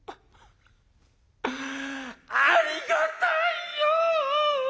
「ありがたいよ！」。